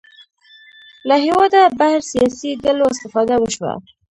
له هېواده بهر سیاسي ډلو استفاده وشوه